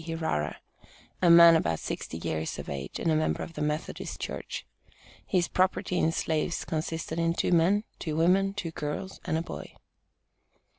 Hirara, a man about sixty years of age, and a member of the Methodist Church. His property in slaves consisted of two men, two women, two girls and a boy.